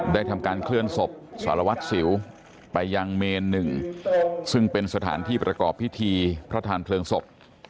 ทำการเคลื่อนศพสารวัตรสิวไปยังเมนหนึ่งซึ่งเป็นสถานที่ประกอบพิธีพระทานเพลิงศพ